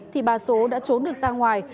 thì bà số đã trốn được ra ngoài